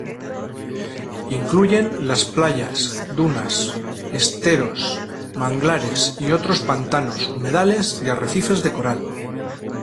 Incluyen las playas, dunas, esteros, manglares y otros pantanos, humedales y arrecifes de coral.